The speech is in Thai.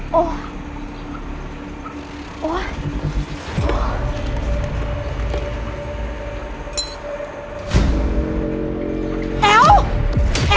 เหลือว่ะ